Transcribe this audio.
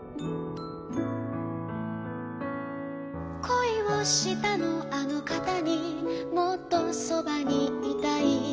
「こいをしたのあのかたにもっとそばにいたい」